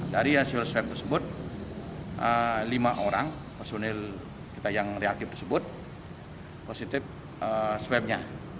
dari hasil swab tersebut lima orang personil kita yang reaktif tersebut positif swabnya